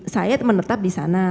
saya menetap di sana